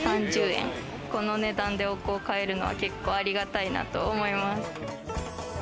３３０円、この値段でお香を買えるのは結構ありがたいなって思います。